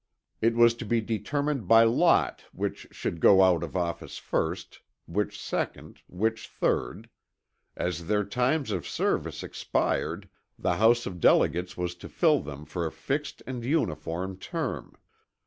It was to be determined by lot which should go out of office first, which second, which third. As their times of service expired the House of Delegates was to fill them for a fixed and uniform term.